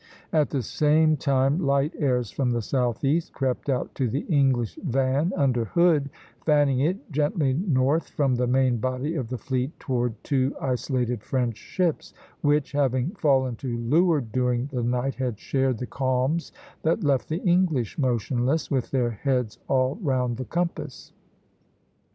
At the same time light airs from the southeast crept out to the English van under Hood, fanning it gently north from the main body of the fleet toward two isolated French ships (i), which, having fallen to leeward during the night, had shared the calms that left the English motionless, with their heads all round the compass.